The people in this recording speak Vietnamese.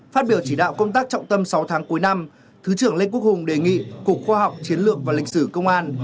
phát biểu chỉ đạo công tác trọng tâm sáu tháng cuối năm thứ trưởng lê quốc hùng đề nghị cục khoa học chiến lược và lịch sử công an